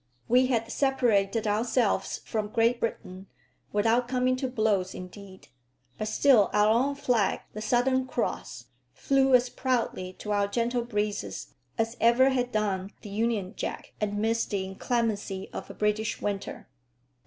We had separated ourselves from Great Britain, without coming to blows indeed; but still our own flag, the Southern Cross, flew as proudly to our gentle breezes as ever had done the Union jack amidst the inclemency of a British winter.